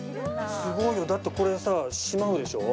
すごいよだってこれさしまうでしょ。